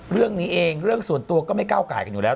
เรื่องนี้เองเรื่องส่วนตัวก็ไม่ก้าวไก่กันอยู่แล้ว